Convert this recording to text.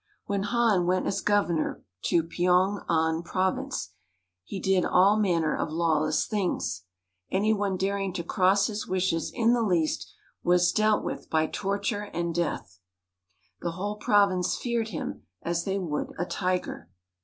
When Han went as governor to Pyong an Province he did all manner of lawless things. Any one daring to cross his wishes in the least was dealt with by torture and death. The whole Province feared him as they would a tiger.